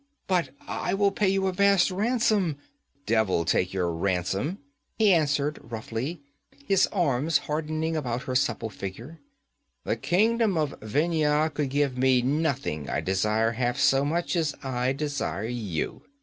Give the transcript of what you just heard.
'But I will pay you a vast ransom ' 'Devil take your ransom!' he answered roughly, his arms hardening about her supple figure. 'The kingdom of Vendhya could give me nothing I desire half so much as I desire you.